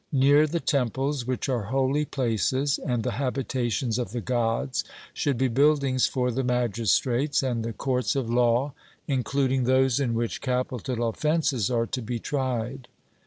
Near the temples, which are holy places and the habitations of the Gods, should be buildings for the magistrates, and the courts of law, including those in which capital offences are to be tried.